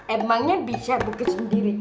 emangnya bisa bukit sendiri